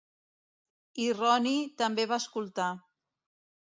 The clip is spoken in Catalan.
I Ronnie també va escoltar.